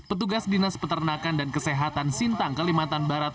petugas dinas peternakan dan kesehatan sintang kalimantan barat